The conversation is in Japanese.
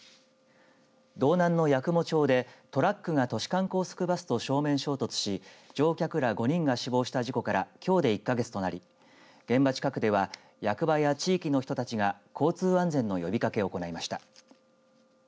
道南の八雲町でトラックが都市間高速バスと正面衝突し乗客ら５人が死亡した事故からきょうで１か月となり現場近くでは役場や地域の人たちが交通安全の呼びかけを行いました。